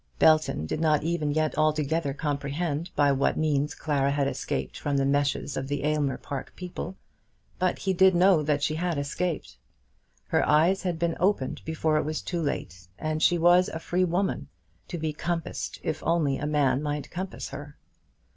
Belton did not even yet altogether comprehend by what means Clara had escaped from the meshes of the Aylmer Park people, but he did know that she had escaped. Her eyes had been opened before it was too late, and she was a free woman, to be compassed if only a man might compass her.